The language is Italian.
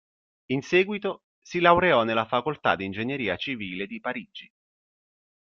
In seguito si laureò nella Facoltà di Ingegneria civile di Parigi.